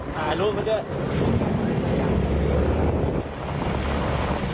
หาลูกมาด้วย